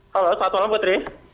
halo selamat malam putri